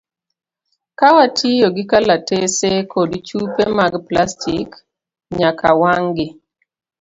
Ka watiyo gi kalatese kod chupe mag plastik, nyaka wang' gi.